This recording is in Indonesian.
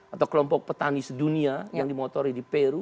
atau kelompok petani sedunia yang dimotori di peru